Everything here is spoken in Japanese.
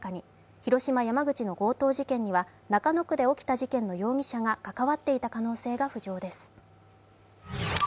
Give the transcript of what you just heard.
広島、山口の強盗事件には中野区で起きた事件の容疑者がかかわっていた可能性が浮上です。